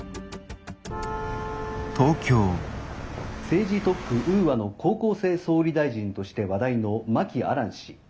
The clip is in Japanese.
「政治特区ウーアの高校生総理大臣として話題の真木亜蘭氏。